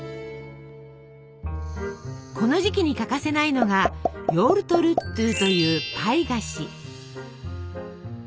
この時期に欠かせないのが「ヨウルトルットゥ」というパイ菓子。